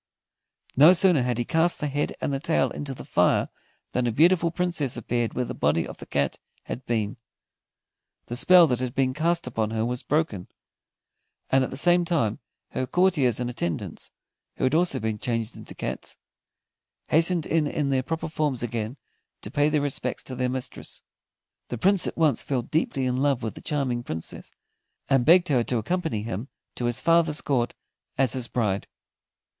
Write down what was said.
No sooner had he cast the head and the tail into the fire than a beautiful Princess appeared where the body of the cat had been. The spell that had been cast upon her was broken, and at the same time her courtiers and attendants, who had also been changed into cats, hastened in in their proper forms again, to pay their respects to their mistress. The Prince at once fell deeply in love with the charming Princess, and begged her to accompany him to his father's court as his bride.